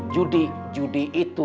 judi judi itu